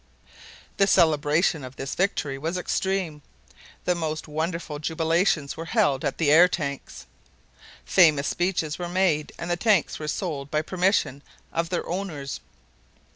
The celebration of this victory was extreme. The most wonderful jubilations were held at the air tanks. Famous speeches were made and the tanks were sold by permission of their owners.